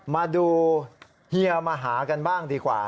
มาดูเฮียมหากันบ้างดีกว่า